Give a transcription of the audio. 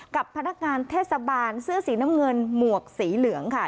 กับพนักงานเทศบาลเสื้อสีน้ำเงินหมวกสีเหลืองค่ะ